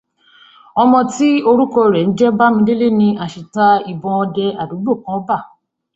Ọmọ tí orúkọ rẹ̀ ń jẹ́ Bámidélé ni àṣìta ìbọn ọdẹ àdùgbò kan ba.